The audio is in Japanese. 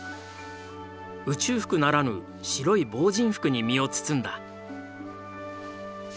宇宙服ならぬ白い防じん服に身を包んだ。